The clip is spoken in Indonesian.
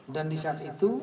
dan disaat itu